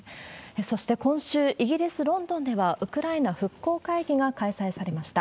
そして今週、イギリス・ロンドンでは、ウクライナ復興会議が開催されました。